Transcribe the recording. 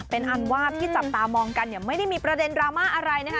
เป็นอันว่าที่จับตามองกันเนี่ยไม่ได้มีประเด็นดราม่าอะไรนะคะ